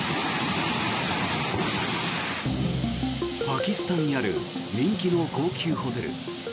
パキスタンにある人気の高級ホテル。